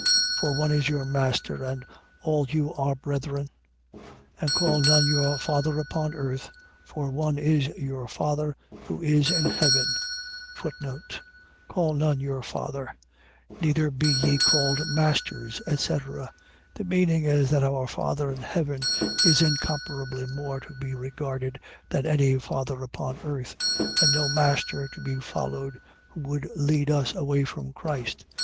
For one is your master: and all you are brethren. 23:9. And call none your father upon earth; for one is your father, who is in heaven. Call none your father Neither be ye called masters, etc. . .The meaning is that our Father in heaven is incomparably more to be regarded, than any father upon earth: and no master to be followed, who would lead us away from Christ.